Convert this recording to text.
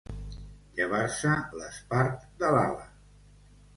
Llevar-se l'espart de l'ala.